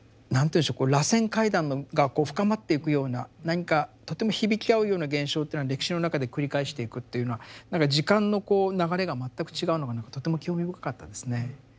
何て言うんでしょう螺旋階段がこう深まっていくような何かとても響き合うような現象というのが歴史の中で繰り返していくというのは何か時間のこう流れが全く違うのが何かとても興味深かったですね。